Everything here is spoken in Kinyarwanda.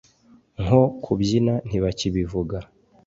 nko kubyina ntibakibivuga